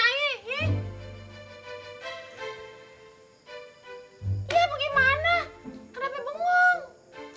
ya bagaimana kenapa bengong